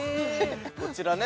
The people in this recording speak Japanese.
こちらね